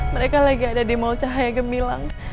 mereka lagi ada di mall cahaya gemilang